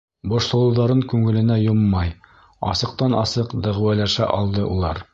Борсолоуҙарын күңеленә йоммай, асыҡтан-асыҡ дәғүәләшә алды улар.